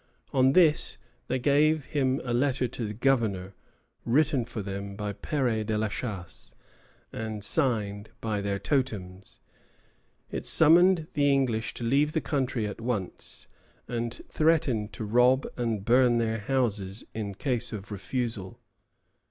On this they gave him a letter to the governor, written for them by Père de la Chasse, and signed by their totems. It summoned the English to leave the country at once, and threatened to rob and burn their houses in case of refusal.